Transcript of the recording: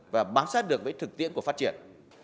và bám sát được với thực tiễn của phát triển